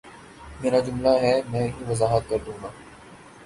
میرا جملہ ہے میں ہی وضاحت کر دوں گا